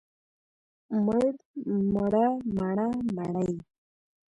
مړ، مړه، مړه، مړې.